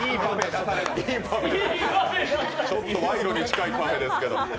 ちょっと賄賂に近いパフェですけど。